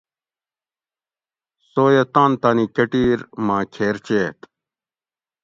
سویہ تان تانی کۤٹیر ما کھیر چیت